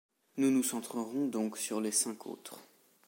Nous nous centrerons donc sur les cinq autres.